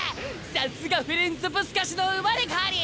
さすがフェレンツ・プスカシュの生まれ変わり。